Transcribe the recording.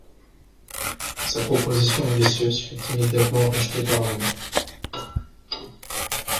Sa proposition ambitieuse fut immédiatement rejetée par Londres.